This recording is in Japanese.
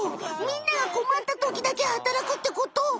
みんながこまったときだけ働くってこと？